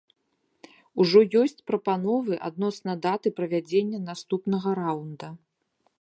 Ужо ёсць прапановы адносна даты правядзення наступнага раунда.